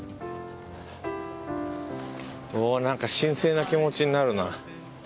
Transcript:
おなんか神聖な気持ちになるな。